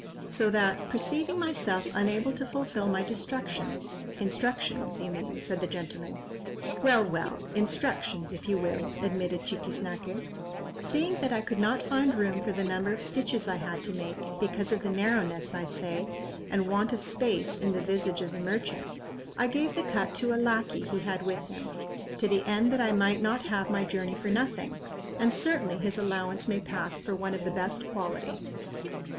So that, perceiving myself unable to fulfil my destructions"—"Instructions you mean," said the gentleman;—"Well, well, instructions if you will," admitted Chiquiznaque,—"seeing that I could not find room for the number of stitches I had to make, because of the narrowness, I say, and want of space in the visage of the merchant, I gave the cut to a lacquey he had with him, to the end that I might not have my journey for nothing; and certainly his allowance may pass for one of the best quality."